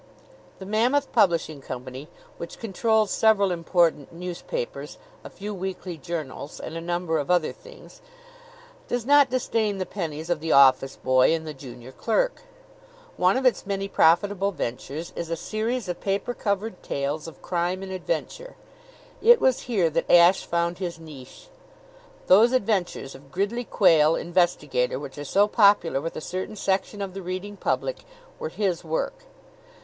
The Mammoth Publishing Company, which controls several important newspapers, a few weekly journals, and a number of other things, does not disdain the pennies of the office boy and the junior clerk. One of its many profitable ventures is a series of paper covered tales of crime and adventure. It was here that Ashe found his niche. Those adventures of Gridley Quayle, Investigator, which are so popular with a certain section of the reading public, were his work.